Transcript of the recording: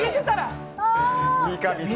三上さん。